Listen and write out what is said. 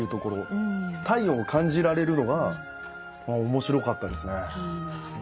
体温を感じられるのが面白かったですね。